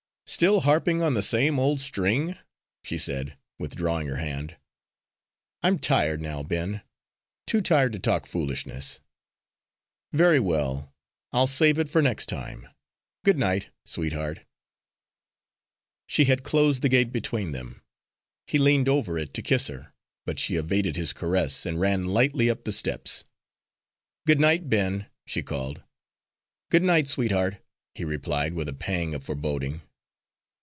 "Still harping on the same old string," she said, withdrawing her hand. "I'm tired now, Ben, too tired to talk foolishness." "Very well, I'll save it for next time. Good night, sweetheart." She had closed the gate between them. He leaned over it to kiss her, but she evaded his caress and ran lightly up the steps. "Good night, Ben," she called. "Good night, sweetheart," he replied, with a pang of foreboding.